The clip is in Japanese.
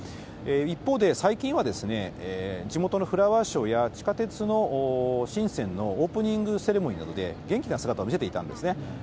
一方で、最近は地元のフラワーショーや、地下鉄の新線のオープニングセレモニーなどで、元気な姿を見せていたんですね。